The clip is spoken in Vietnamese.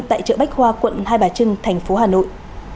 tại chợ bách khoa quận hai bà trưng thành phố hà nội